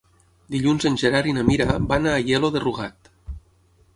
Dilluns en Gerard i na Mira van a Aielo de Rugat.